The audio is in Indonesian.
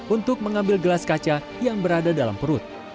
untuk mengambil gelas kaca yang berada dalam perut